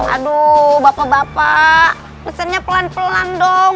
aduh bapak bapak pesannya pelan pelan dong